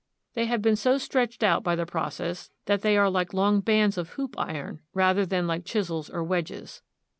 They have been so stretched out by the process that they are like long bands of hoop iron rather than like chisels or wedges.